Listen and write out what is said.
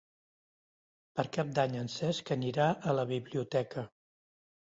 Per Cap d'Any en Cesc anirà a la biblioteca.